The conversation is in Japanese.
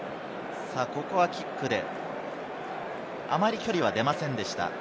ここはキックで、あまり距離は出ませんでした。